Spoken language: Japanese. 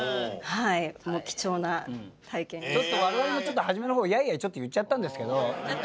ちょっと我々もちょっと初めの方やいやいちょっと言っちゃったんですけど。